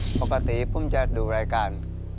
ที่ปกติพุ่มจะดูรายการ